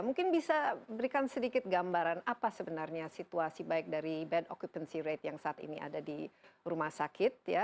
mungkin bisa berikan sedikit gambaran apa sebenarnya situasi baik dari bad occupancy rate yang saat ini ada di rumah sakit ya